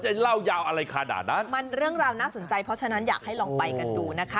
เล่ายาวอะไรขนาดนั้นมันเรื่องราวน่าสนใจเพราะฉะนั้นอยากให้ลองไปกันดูนะคะ